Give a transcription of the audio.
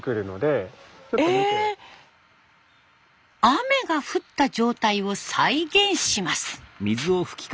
雨が降った状態を再現します。